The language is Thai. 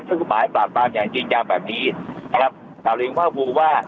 ถึงหมายประตาบอย่างจริงจังแบบนี้ครับสาวนิงภาพภูมิว่า